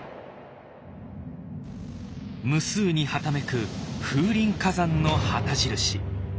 無数にはためく風林火山の旗印。